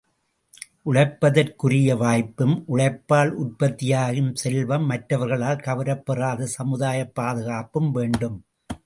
உழைப்பதற்குரிய வாய்ப்பும், உழைப்பால் உற்பத்தியாகும் செல்வம் மற்றவர்களால் கவரப் பெறாத சமுதாயப் பாதுகாப்பும் வேண்டும்.